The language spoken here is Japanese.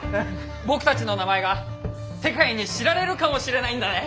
僕たちの名前が世界に知られるかもしれないんだね！